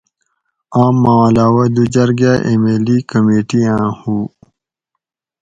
آم ما علاوہ دو جرگاۤ ایم ایل ای کمیٹی آں ہو